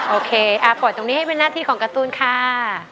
โอเคปล่อยตรงนี้ให้เป็นหน้าที่ของการ์ตูนค่ะ